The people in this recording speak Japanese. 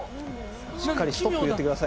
しっかりストップ言ってくださいね。